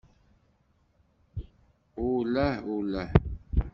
Ullah, ullah.